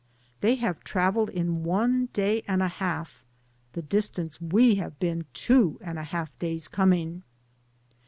They have traveled in one day and a half the dis tance we have been two and a half days com ing.